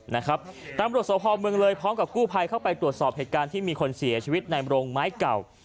ตำรวจสภเมืองเลยพร้อมกับกู้ภัยเข้าไปตรวจสอบเหตุการณ์ที่มีคนเสียชีวิตในโรงไม้เก่า